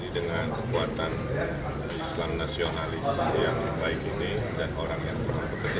dengan kekuatan islam nasionalis yang baik ini dan orang yang pernah bekerja